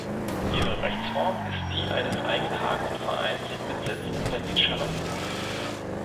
Ihre Rechtsform ist die eines eingetragenen Vereins mit Sitz in Berlin-Charlottenburg.